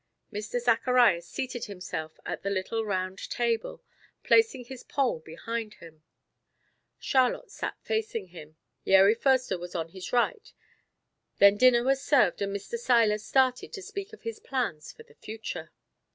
Mr. Zacharias seated himself at the little round table, placing his pole behind him; Charlotte sat facing him, Yeri Foerster was on his right; then dinner was served and Mr. Seiler started to speak of his plans for the future.